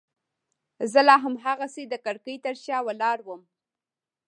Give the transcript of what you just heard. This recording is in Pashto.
زه لا هماغسې د کړکۍ شاته ولاړ وم.